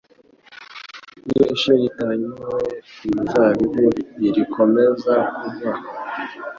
Iyo ishami ritanyuwe ku muzabibu ntirikomeza kubaho.